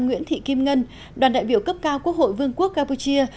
nguyễn thị kim ngân đoàn đại biểu cấp cao quốc hội vương quốc campuchia